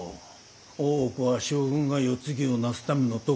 大奥は将軍が世継ぎをなすためのとこ。